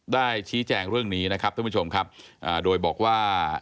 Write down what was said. ได้ชี้แจงเรื่องนี้นะครับท่านผู้ชมครับโดยบอกว่า